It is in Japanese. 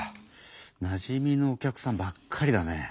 なじみのお客さんばっかりだね。